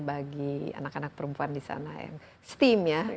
bagi anak anak perempuan di sana yang steam ya